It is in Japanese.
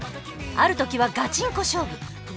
ある時はガチンコ勝負。